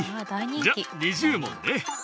じゃあ２０文ね。